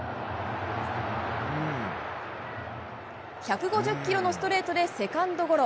１５０キロのストレートでセカンドゴロ。